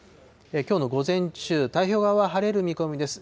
きょうの午前中、太平洋側は晴れる見込みです。